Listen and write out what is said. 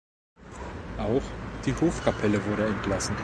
Auch die Hofkapelle wurde entlassen.